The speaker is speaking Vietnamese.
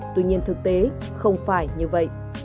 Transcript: tuy nhiên thực tế không phải như vậy